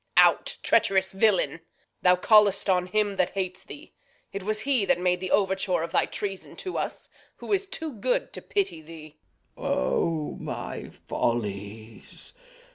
Reg. Out, treacherous villain! Thou call'st on him that hates thee. It was he That made the overture of thy treasons to us; Who is too good to pity thee. Glou. O my follies!